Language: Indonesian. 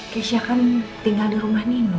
keisha kan tinggal di rumah nih